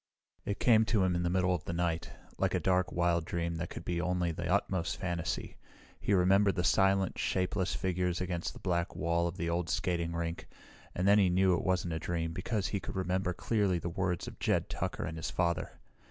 It came to him in the middle of the night, like a dark, wild dream that could be only the utmost fantasy. He remembered the silent, shapeless figures against the black wall of the old skating rink, and then he knew it wasn't a dream because he could remember clearly the words of Jed Tucker and his father.